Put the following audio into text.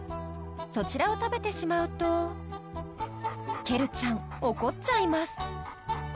［そちらを食べてしまうとケルちゃん怒っちゃいます］